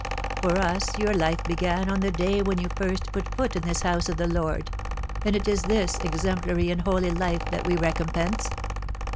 For us your life began on the day when you first put foot in this house of the Lord, and it is this exemplary and holy life that we recompense.